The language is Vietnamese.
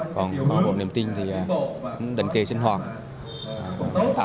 còn câu lạc bộ niềm tin thì định kỳ sinh hoạt